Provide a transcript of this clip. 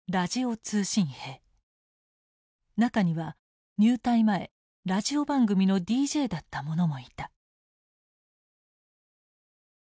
中には入隊前ラジオ番組のＤＪだった者もいた。